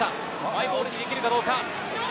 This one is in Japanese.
マイボールにできるかどうか。